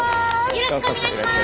よろしくお願いします！